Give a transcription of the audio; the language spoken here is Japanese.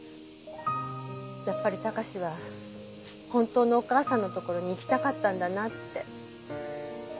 やっぱり貴史は本当のお母さんのところに行きたかったんだなって。